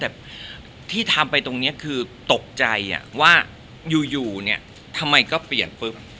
แต่ที่ทำไปตรงนี้คือตกใจว่าอยู่เนี่ยทำไมก็เปลี่ยนปุ๊บ